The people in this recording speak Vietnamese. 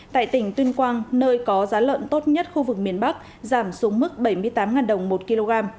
tại tỉnh tuyên quang nơi có giá lợn tốt nhất khu vực miền bắc giảm xuống mức bảy mươi tám đồng một kg